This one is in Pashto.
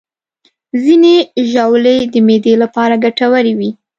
ځینې ژاولې د معدې لپاره ګټورې وي.